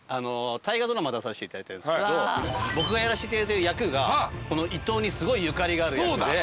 大河ドラマ出させていただいてるんですけど僕がやらしていただいてる役がこの伊東にすごいゆかりがある役で。